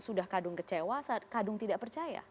sudah kadung kecewa kadung tidak percaya